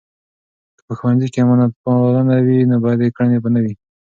که په ښوونځۍ کې امانتپالنه وي، نو بدې کړنې به نه وي.